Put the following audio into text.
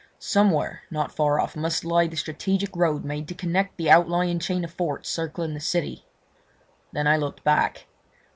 Somewhere, not far off, must lie the strategic road made to connect the outlying chain of forts circling the city. Then I looked back.